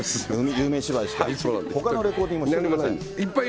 夢芝居とか、ほかのレコーディングもしてください。